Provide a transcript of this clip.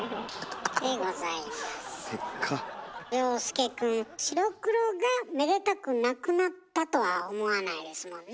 遥亮くん「白黒がめでたくなくなった」とは思わないですもんね。